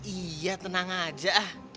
iya tenang aja